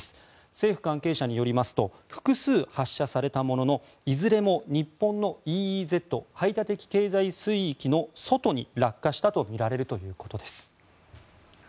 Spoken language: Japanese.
政府関係者によりますと複数発射されたもののいずれも、日本のＥＥＺ・排他的経済水域の外に落下したとみられるということです。